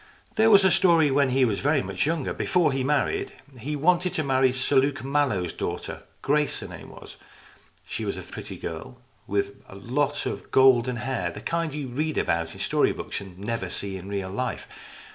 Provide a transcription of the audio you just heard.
There was a story when he was very much younger, before he married. He wanted to marry Sir Luke Mallow's daughter Grace her name was. She was a pretty girl, with a lot of golden hair, the kind that you read about in story books and never see in real life.